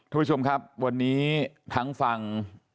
ทุกผู้ชมครับวันนี้ทั้งฝั่ง